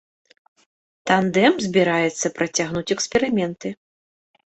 Тандэм збіраецца працягнуць эксперыменты.